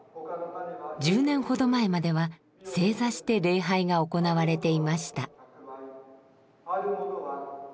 １０年ほど前までは正座して礼拝が行われていました。